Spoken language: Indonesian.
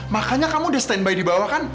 makanya kamu udah standby di bawah kan